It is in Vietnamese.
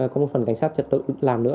có một phần cảnh sát trật tự làm nữa